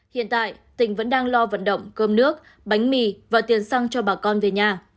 hiện tại tỉnh vẫn đang lo vận động cơm nước bánh mì và tiền xăng cho bà con về nhà